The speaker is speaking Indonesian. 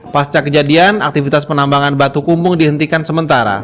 pasca kejadian aktivitas penambangan batu kumbung dihentikan sementara